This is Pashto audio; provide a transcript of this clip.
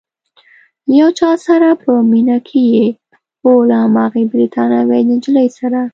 له یو چا سره په مینه کې یې؟ هو، له هماغې بریتانوۍ نجلۍ سره؟